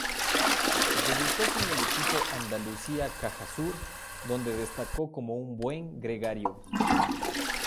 Debutó con el equipo Andalucía-Cajasur, donde destacó como un buen gregario.